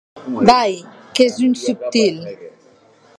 Vai!, qu'ès un subtil!